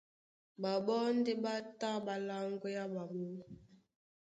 Ɓaɓɔ́ ndé ɓá tá ɓá láŋgwea ɓaɓó.